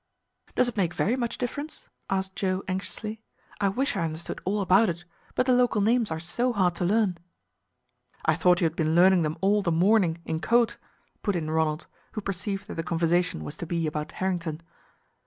"Does it make very much difference?" asked Joe anxiously. "I wish I understood all about it, but the local names are so hard to learn." "I thought you had been learning them all the morning in Choate," put in Ronald, who perceived that the conversation was to be about Harrington.